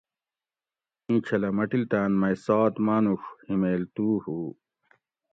اینچھلہ مٹلتان مئی سات مانوڛ ہِمیل تُو ہُو